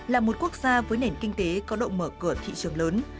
là một quốc gia với nền kinh tế có độ mở cửa thị trường lớn